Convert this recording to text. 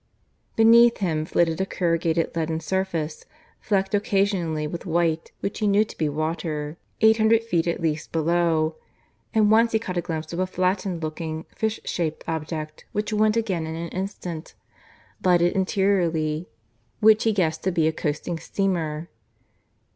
Beneath him flitted a corrugated leaden surface, flecked occasionally with white, which he knew to be water, eight hundred feet at least below, and once he caught a glimpse of a flattened looking, fish shaped object, which went again in an instant, lighted interiorly, which he guessed to be a coasting steamer.